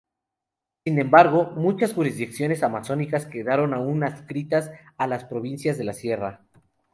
Sin embargo, muchas jurisdicciones amazónicas quedaron aún adscritas a las provincias de la Sierra.